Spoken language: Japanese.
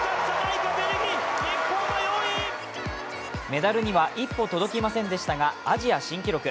メダルには一歩届きませんでしたがアジア新記録。